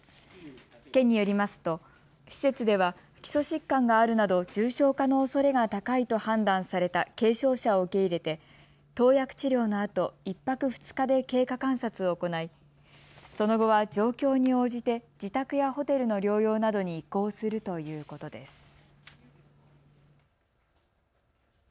県によりますと施設では基礎疾患があるなど重症化のおそれが高いと判断された軽症者を受け入れて投薬治療のあと１泊２日で経過観察を行いその後は状況に応じて自宅やホテルの療養などに移行するということです。